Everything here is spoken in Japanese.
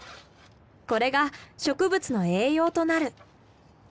これが植物の栄養となる。